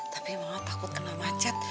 tapi mama takut kena macet